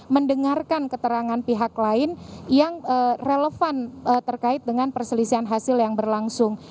mendengarkan keterangan pihak lain yang relevan terkait dengan perselisihan hasil yang berlangsung